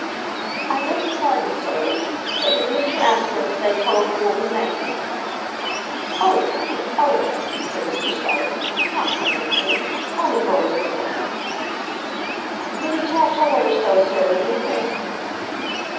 "I beg your pardon, sir,—but does Mr Askern say Tulliver will be lame?" "Oh, no; oh, no," said Mr Stelling, "not permanently; only for a little while." "Did he tell Tulliver so, sir, do you think?"